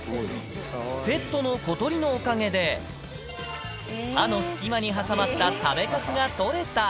ペットの小鳥のおかげで、歯の隙間に挟まった食べかすが取れた。